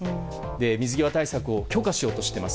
水際対策を強化しようとしています。